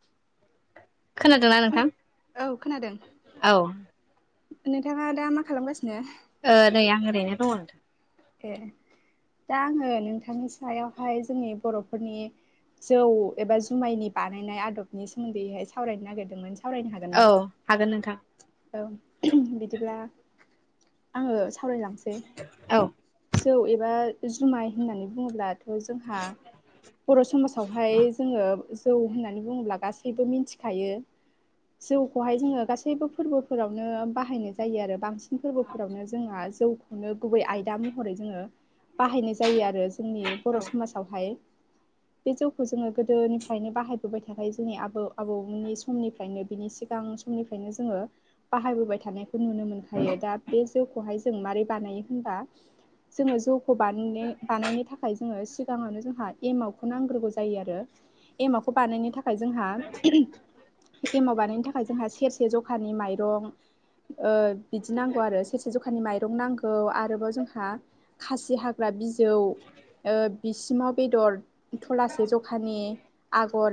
[inaudible] खोनादोंना नोंथां औ नोंथांङा दा मा खालामगासिनो ओ नै आं ओरैनो दङ नोंथां ए दा आङो नोंथांनि सायावहाय जोंनि बर'फोरनि जौ एबा जुमायनि बानायनाय आदबनि सोमोन्दैहाय सावरायनो नागिरदोंमोन। सावरायनो हागोन ना औ हागोन नोंथां औ बिदिब्ला आंङो सावरायलांसै औ जौ एबा जुमाय होननानै बुङोब्लाथ' जोंहा बर' समाजावहाय जोंङो जौ होननानै बुङोब्ला गासैबो मिथिखायो। जौखौहाय जोंङो गासैबो फोरबोफोरावनो बाहायनाय जायो आरो बांसिन फोरबोफोरावनो जोंहा जौखौनो गुबै आय दा महरै जोंङो बाहायनाय जायो आरो जोंनि औ बर' समाजावहाय। बे जौखौ जोंङो गोदोनिफ्रायनो बाहायबोबाय थाखायो जोंनि आबौ आबौमोननि समनिफ्रायनो बिनि सिगां समनिफ्रायनो जोंङो बाहायबोबाय थानाय नुनो मोनखायो दा बे जौखौहाय जों माबारोरै बानायो होनबा जोंङो जौ खौ बानायनो बानायनो थाखाय जोंङो सिगाङावनो जोंहा एमाव खौ नांग्रोगौ जायो आरो एमावखौ बानायनो थाखाय जोंहा एमाव बानायनो थाखाय जोंहा सेरसे ज' खानि माइरं ओ बिदि नांगौ आरो सेरसे जखानि माइरं नांगौ आरोबाव जों हा खासि हाग्रा बिजौ बिसिमाव बेदर थलासे जखानि आगर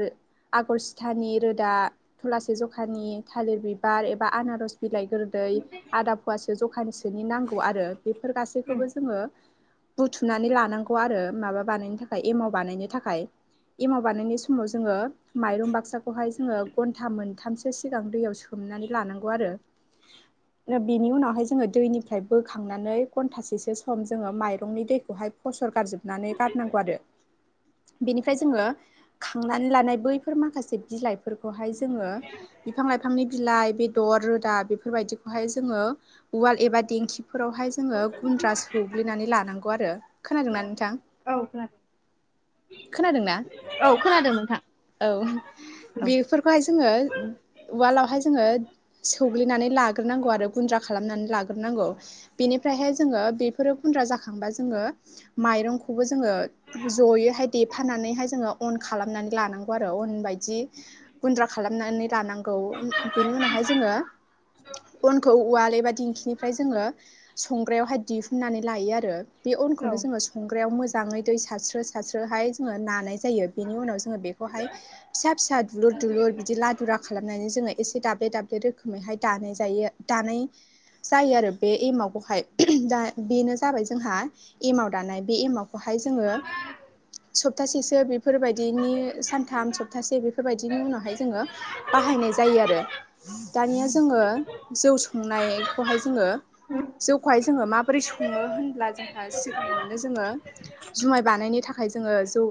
आगर सिथानि रोदा थलासे जखानि थालिर बिबार ए बा आनारस बिलाइ फोरदै आदा फुवासो जखानि सिनि नांगौ आरो बेफोर गा बे खौबो जोंङो बुथुमनानै लानांगौ आरो माबा बानायनो थाखाय एमाव बानायनो थाखाय। एमाव बानायनाय समाव जोंङो माइरं बाक्साखौहाय जोंङो घन्टा मोनथामसो सिगां दैयाव सोम नानै लानांगौ आरो। बेनि उनावहाय जोंङो दैनिफ्राय बोखांनानै घन्टासेसो सम जोंङो माइरंनि दैखौहाय फसर गारजोबनानै गारनांगौ आरो। बेनिफ्राय जोङो खांनानै लानाय बैफोर माखासे बिलाइफोरखौहाय जोङो बिफां बिफां लाइफांनि बिलाइ बेदर रोदा बेफोरबायदिखौहाय जोङो उवाल एबा देंखि फोरावहाय जोङो गुन्द्रा सौग्लिनानै लानांगौ आरो खोनादोंना नोंथां? औ खोनादों। खोनादोंना औ खोनादों नोंथां औ औ बेफोरखौहाय जोङो उवालावहाय जोङो सौग्लिनानै लाग्रोनांगौ आरो गुन्द्रा खालामनानै लाग्रोनां [unintelligible] बेनिफ्राय हाय जोङो गुनद्रा जाखांबा जोङो माइरंखौबो जोङो जयै देफाना नानैहाय जोङो अन खालामनानै लानांगौ आरो अन बायदि गुन्द्रा खालामनानै लानांगौ। बेनि उनावहाय जोङो अनखौ उवाल एबा दिंखिनिफ्राय जोङो सं ग्रायावहाय दिहुननानै लायो आरो बे अनखौ औ जो संग्रायाव मोजां जाङै दै सारस्रो सारस्रोहाय जोङो नानाय जायो बेनि उनाव जोङो बेखौहाय फिसा फिसा दुलुर दुलुर बिदि लादुरा खालामनानै जोङो एसे दाब्ले दाब्ले रोखोमैहाय दानाय जायो दानाय जायो आरो बे एमावखौहाय दा बेनो जाबाय जोंहा एमाव दानाय बे एमावखौहाय जोङो सप्तासेसो बेफोरबायदिनि सानथाम सप्तासे बेफोरबायदिनि उनावहाय जोङो बाहायनाय जायो आरो दानिया जोङो जौ संनायखौहाय जोङो जौखौहाय जोङो माबोरै सङो होनब्ला जोंहा सिगाङावनो जोङो जुमाय बानायनो थाखाय जोङो जौ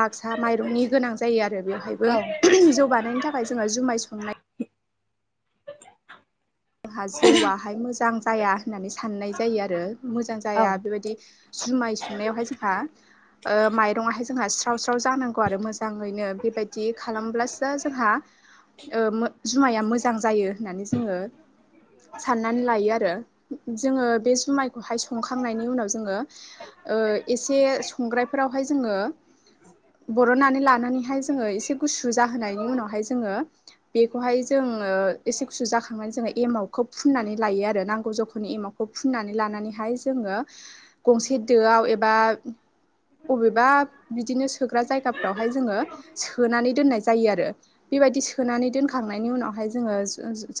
बाक्सा माइरंनि गोनां जायो आ रो बेवहायबो जौ बानायनि थाखाय जोङो जुमाय संनाय जोंहा जौवाहाय मोजां जाया होननानै साननाय जायो आरो मोजां औ जाया बेबायदि जुमाय संनायावहाय जोंहा माइरं आवहाय जोंहा स्राव स्राव जानांगौ आरो मोजाङैनो बे बेबायदि खालामब्लासो जोंहा ओ जुमाया मोजां जायो होननानै जोङो साननानै लायो आरो। जोङो बे जुमायखौहाय संखांनायनि उनाव जोङो ओ एसे संग्रायफोराव बेहाय जोङो बर'नानै लानानैहाय जोङो एसे गुसु जाहोनायनि उनावहाय जोङो बेखौहाय जों ङो एसे गुसु जाखांनानै जाबाय एमावखौ फुनानै लायो आरो नांगौ जखानि एमावखौ फुनानै लानानैहाय जङो गंसे दोआव एबा बबेबा बिदिनो सोग्रा जायगाफ्रावहाय जोङो सोनानै दोननाय जायो आरो। बेबायदि सोनानै दोनखांनायनि उनावहाय जोङो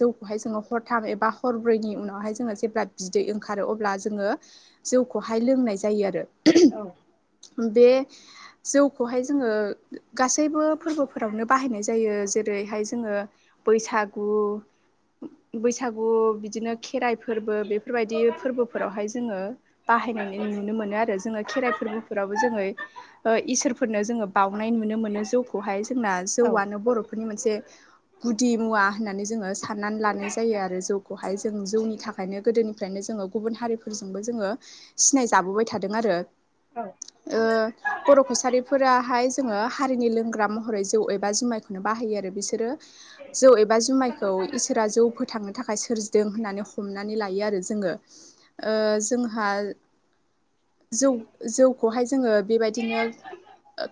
जौखौहाय जोङो हरथाम एबा हरब्रैनि उनावहाय जोङो जेब्ला बिदै ओंखारो अब्ला जोङो जौखौहाय लोंनाय जायो आरो। औ बे जौखौहाय जोङो गासैबो फोरबोफोरावनो बाहायनाय जायो जेरैहाय जोङो बैसागु बैसागु बिदिनो खेराइ फोरबो बेफोरबायदि फोरबोफोरावहाय जोङो बाहायनाय नुनो मोनो आरो जोङो खेराइ फोरबोफोरावबो जोङै ओ इसोरफोरनो जोङो बावनाय नुनो मोनो जौखौहाय जोंना जौआनो बर'फोरनि मोनसे गुदि मुवा होननानै जोङो साननानै लानाय जायो आरो जौखौहाय जों जौनि थाखायनो गोदोनिफ्रायनो जोङो गुबुन हारिफोरजोंबो जोङो सिनाय जा लाबोबाय थादों आरो। ओ बर' कसारिफोराहाय जोङो हारिनि लोंग्रा महरै जौ एबा जुमाय बाहायो आरो बिसोरो जौ एबा जुमायखौ इसोरा जौ फो थांनो थाखाय सोरजिदों होननानै हमनानै लायो आरो जोङो ओ जोंहा जौ जौखौहाय जोङो बेबायदिनो ओ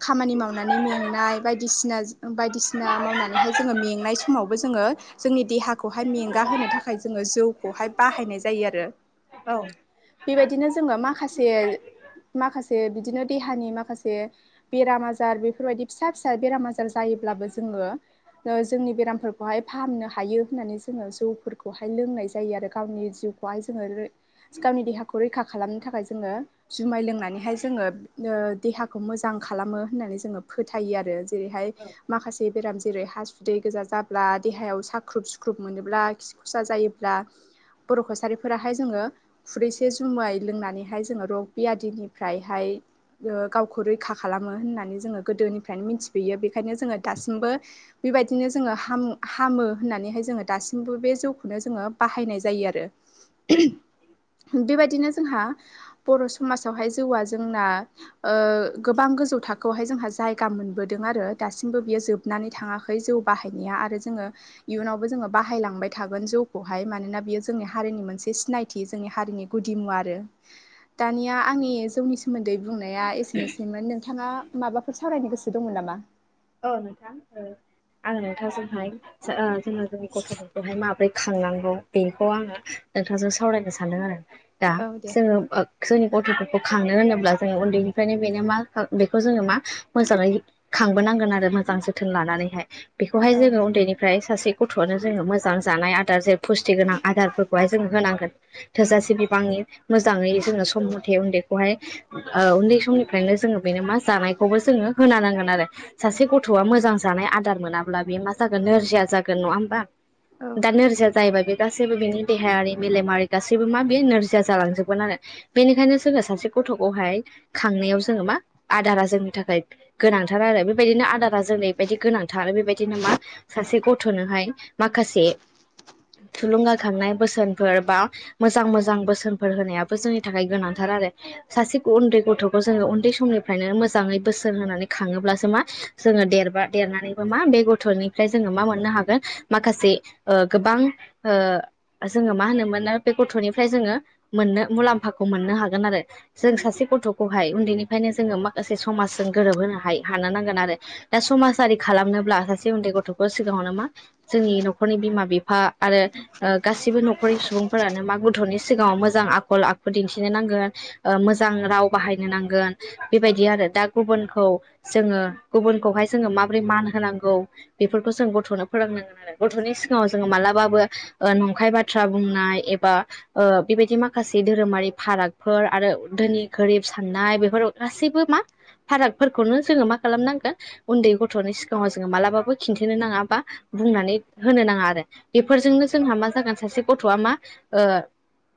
खामानि मावनानै मेंनाय बायदिसिना बायदिसिना मावनानैहाय जोङो मेंनाय समावबो जों जोङो जोंनि देहाखौहाय मेंगा होनो थाखाय जोङो जौखौहाय बाहायनाय जायो आरो औ। बेबायदिनो जोङो माखासे माखासे बिदिनो देहानि माखासे बेराम आजार बेफोरबायदि फिसा फिसा बेराम आजार जायो। [unintelligible] जोङो ओ जोंनि बेरामफोरखौहाय फाहामनो हायो होननानै जो जौ जौफोरखौहाय लोंनाय जायो आरो गावनि जिउखौहाय जोङो गावनि देहाखौ रैखा खालामनो थाखाय जोङो जुमाय लोंनानैहाय जोङो ओ देहाखौ मोजां खालामो होननानै जोङो फोथायो आरो। जेरैहाय माखासे बेराम जेरै हाासुदै गोजा जाब्ला देहायाव साख्रुब सु ग्रुप मोनोब्ला खि खरसा जायोब्ला बर' कसारिफोराहाय जोङो खुरैसे जुमाय लोंनानैहाय जोङो रग बियादिनिफ्रायहाय ओ गावखौ रैखा खालामो होननानै जोङो गोदोनिफ्रायनो मिथिफबोयो बेखायनो जोङो दासिमबो बेबायदिनो जोङो हाम - हामो होननानैहाय जोङो दासिमबो बे जौखौनो जोङो बाहायनाय जायो आरो बेबायदिनो जोंहा बर' समासावहाय जौआ जोंना ओ गोबां गोजौ थाखोआवहाय जोंहा जायगा मोनबोदों आरो दासिमबो बियो जोबनानै थाङाखै। जौ बाहायनाया आरो जोङो इयुनाव जोङो बाहायलांबाय थागोन जौखौहाय मानोना बियो जोंनि हारिनि मोनसे सिनायथि। जोंनि हारिनि गुदि मुवा आरो दानिया आंनि जौनि सोमोन्दै बुंनाया एसेनोसैमोन। नोंथाङा माबाफोर सावरायनो गोसो दंमोन नामा? औ नोंथां औ आङो नोंथांजोंहाय ओ जोंङो जोंनि गथ'फोरखौहाय माबोरै खांनांगौ बेखौ आङो नोंथांजों सावरायनो सानदों आरो दा औ दे जोङो ओ जोंनि गथ'फोर खांनो होनोब्ला जोङो उन्दैनिफ्रायनो बेनो मा बेखौ जोङो मा मोजाङै खां नांगोन मोजां जोथोन लानानैहाय बेखौहाय औ उन्दैनिफ्राय सासे गथ'आनो जोङो मोजां जानाय आदार जे पस्ति गोनां आदारफोरखौहाय जोङो होनांगोन। थोजासे बिबांनि मोजाङै जोङो सम म'थे उन्दैखौहाय उन्दै समनिफ्रायनो जोङो बेनो मा जानायखौबो जोङो होनाानांगोन आरो सासे गथ'आ मोजां जानाय आदार मोनाब्ला बे मा जागोन नोरजिया जागोन नङा होमबा औ दा नोरजिया जायोबा बे गासैबो बिनि देहायारि मेलेमारि गासैबो मा बे नोरजिया जालांजोबगोन आरो बेनिखायनो जोङो सासे गथ'खौहाय खांनायाव जोङो मा आदारा जोंनि थाखाय गोनांथार आरो बे बेबायदिनो आदारा जेरैबायदि गोनांथार आरो बेबायदिनो मा सासे गथ'नोहाय माखासे थुलुंगाखांनाय बोसोनफोर बा मोजां मोजां बोसोनफोर होनायाबो जोंनि थाखाय गोनांथार। आरो सासे उन्दै गथ'खौ जोङो उन्दै समनिफ्रायनो मोजाङै बोसोन होनानै खााङोब्लासो मा जोङो देरबा देरनानैबो मा बे गथ'निफ्राय जोङो मा मोननो हागोन माखासे ओ गोब बां ओ जोङो मा होनोमोन बे गथ'निफ्राय जोङो मोननो मुलाम्फाखौ मोननो हागोन आरो जों सासे गथ'खौहाय उन्दैनिफ्रायनो जोङो माखासे समाजजों गोरोबहोनो हाय हानो नां दा समाजारि खालामनोब्ला सासे उन्दै गथ'खौ सिगाङावनो मा जोंनि नख'रनि बिमा बिफा [inaudible] आरो ओ गासिबो नख'रनि सुबुंफोरानो मा गथ'नि सिगाङाव मोजां आखल आखु दिन्थिनो नांगोन। मोजां राव बाहायनो नांगोन बेबायदि आरो दा गुबुनखौ जोङो गुबुनखौहाय जोङो माबोरै मान होनांगौ बेफोरखौ जों गथ'नो फोरोंनांगोन। आरो गथ'नि सिगाङाव जोङो मालाब मालाबाबो ओ नंखाय बाथ्रा बुंनाय एबा ओ बेबायदि माखासे धोरोमारि फाराग फोर आरो दोनि गोरिब साननाय बेफोर गासैबो मा फारागफोरखौनो जोङो मा खालामनांगोन उन्दै गथ'नि सिगाङाव जोङो मालाबाबो खिन्थिनो नाङा बा बुंनानै होनो नाङा आरो बेफोरजोंनो जोंहा मा जागोन सासे गथ'वा मा ओ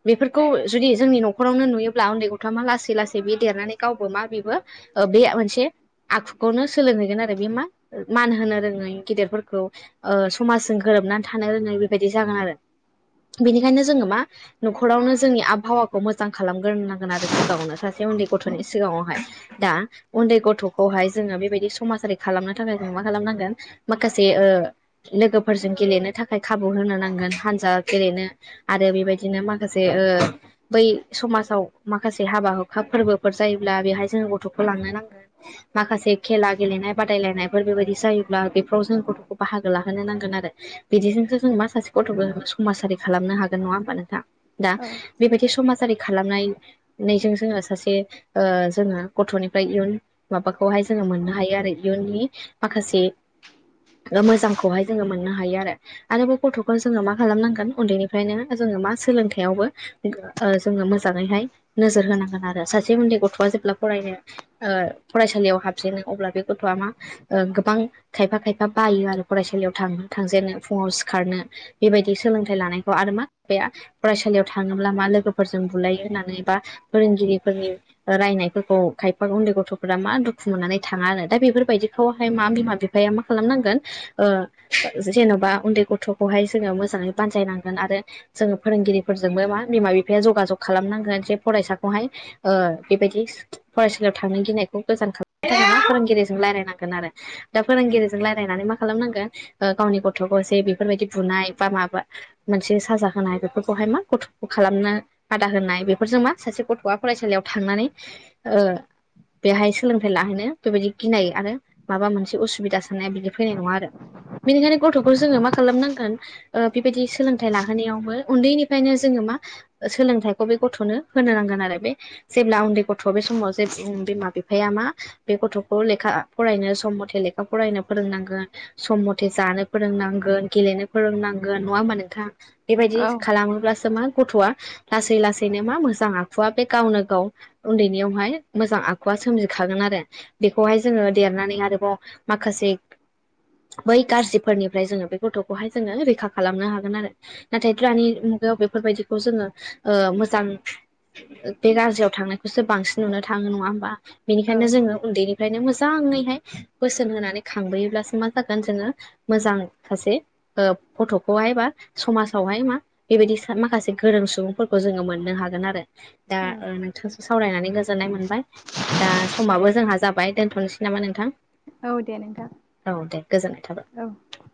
बेफोरखौ जुदि जोंनि नख'रावनो नुयोब्ला उन्दै गथ' मा लासै लासै बे देरनानै गावबो मा बेबो ओ बे मोनसे आखुखौनो सोलोंहैगोन आरो बे मा मान होनो रोङै गेदेरफोरखौ समाजजों गोरोब नानै थानो रोंनाय बेबायदि जागोन आरो बेनिखायनो जोङो मा नख'रावनो जोंनि आबहावाखौ मोजां खालामग्रोनांगोन। आरो सिगाङावनो सासे उन्दै गथ'नि सिगाङावहाय दा उन्दै गथ' खौहाय जोङो बेबायदि समाजारि खालामनो थाखाय जों मा खालामनांगोन माखासे ओ लोगोफोरजों गेलेनो थाखाय खाबु होनो नांगोन हानजा गेलेनो आरो बेबायदिनो माखासे ओ बै समाजाव माखासे हाबा हुखा फोरबोफोर जायोब्ला बेहाय जोङो गथ'खौ लांनो नांगोन माखासे खेला गेलेनाय बादायलायनायफोर बेबायदि जायोब्ला बेफोराव जों गथ'खौ बाहागो लाहोनो नांगोन आरो बिदिजोंसो जों मा सासे गथ'फोर समाजारि खालामनो हागोन नङा होमबा नोंथां दा औ बेबायदि समाजआरि खालामनायजों जोङो सासे जोंङो गथ'निफ्राय इयुन माबाखौहाय जोङो मोननो हायो आरो इयुननि माखासे ओ मोजांखौहाय जोङो मोननो हायो आरो आरो बे गथ'खौ जोङो मा खालामनांगोन उन्दैनिफ्रायनो जों मा सोलोंथाइयावबो ओ जोङो मोजाङैहाय नोजोर होनांगोन आरो सासे उन्दै गथ'वा जे फरायनो ओ फरायसालियाव हाबजेनो अब्ला बे गथ'वा मा ओ गोबां खायफा खायफा बायो आरो फरायसालियाव थाङो थांजेनो फुङाव सिखारनो बेबायदि सोलोंथाइ लानायखौ आरो मा बेयाव फरायसालियाव थाङोब्ला मा लोगोफोरजों बुलायो होननानै बा फोरोंगिरिफोरनि ओ रायनायफोरखौ खायफा गन्दै गथ' मा दुखु मोननानै थाङा आरो दा बेफोरबायदिखौहाय मा बिमा बिफाया मा खालामनांगोन ओ जेन'बा उन्दै गथ'खौहाय जोङो मोजाङै बानजायनांगोन आरो जोङो फोरोंगिरिफोरजोंबो मा बिमा बिफाया जगा जग खालामनांगोन जे फरायसाखौहाय ओ बेबायदि फरायसालियाव थांनो गिनाय गोजान थाखाय फोरोंगिरिजों रायलायनांगोन आरो दा फोरोंगिरिजों रायलायनानै मा खालामनांगोन ओ गावनि गथ'खौ जे बेफोरबायदि बुनाय बा माबा मोनसे साजा होनाय बेफोरखौहाय मा गथ' खालाम नो बादा होनाय बेफोरजों मा सासे गथ'वा फरायसालियाव थांनानै ओ बेहाय सोलोंथाइ लाहैनो बेबायदि गिनाय आरो माबा मोनसे असुबिदा साननाया बिदि फैनाय नङा आरो बेनिखायनो गथ'खौ जोङो मा खालामनांगोन ओ बेबायदि सोलोंथाइ लाहोनायावबो उन्दैनिफ्रायनो जोङो मा सोलोंथाइखौ बे गथ'नो होनो नांगोन आरो बे जेब्ला उन्दै गथ' बे समाव जे बिमा बिफाया मा बे गथ'खौ लेखा फरायनो सम मथे लेखा फरायनो फोरोंनांगोन सम मथे जानो फोरोंनांगोन गेलेनो फोरोंनांगोन नङा होमबा नोंथां बेबायदि औ खालामोब्लासो मा गथ'वा लासै लासैनो मा मोजां आखुवा बे गावनो गाव उन्दैनियावहाय मोजां आखु सोमजिखागोन आरो बेखौहाय जोङो देरनानै आरोबाव माखासे बै गाज्रिफोरनिफ्राय जोङो बे गथ'खौहाय जोङो रैखा खालामनो हागोन आरो नाथाय दानि मुगायाव बेफोरबायदिखौ जोङो ओ मोजां बे गाज्रियाव थांनायखौसो बांसिन नुनो थाङो नङा होमबा बेनिखायनो जोङो उन्दैनि ओंखायनो मोजाङैहाय बोसोन होनानै खांबोयोब्लासो मा जागोन जोङो मोजां सासे ओ गथ'खौहाय बा समाजावहाय मा बेबायदि माखासे गोरों सुबुंफोरखौ जोङो मोननो हागोन आरो दा औ ओ नोंथांजों सावरायनानै गोजोननाय मोनबाय दा समाबो जोंहा जाबाय दोनथ'नोसै नामा नोंथां औ दे नोंथां औ दे गोजोननाय औ थाबाय